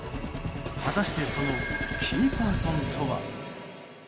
果たして、そのキーパーソンは？